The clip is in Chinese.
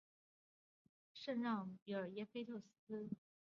圣让皮耶尔菲克斯特。